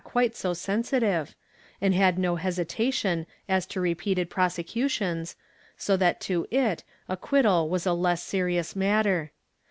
106 T^^ SENTENCE [Book VII and had no hesitation as to repeated prosecutions, so that to it acquittal was a less serious matter.